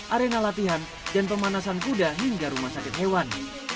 arena latihan dan pemanasan kuda hingga rumah sakit hewan